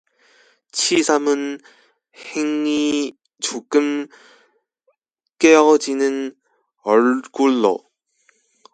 치삼은 흥이 조금 깨어지는 얼굴로